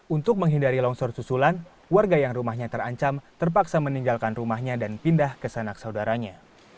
untuk menghindari longsor susulan warga yang rumahnya terancam terpaksa meninggalkan rumahnya dan pindah ke sanak saudaranya